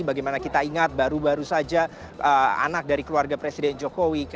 bagaimana kita ingat baru baru saja anak dari keluarga presiden jokowi